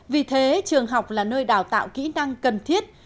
vì thế trường học là nơi đào tạo kỹ năng cần thiết